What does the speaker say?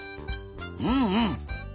うんうん。